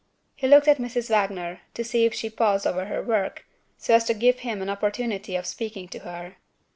He looked at Mrs. Wagner, to see if she paused over her work, so as to give him an opportunity of speaking to her.